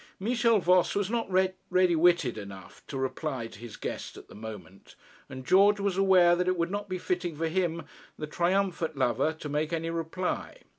Michel Voss was not ready witted enough to reply to his guest at the moment, and George was aware that it would not be fitting for him, the triumphant lover, to make any reply.